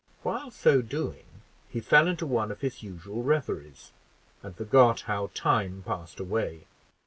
While so doing, he fell into one of his usual reveries, and forgot how time passed away.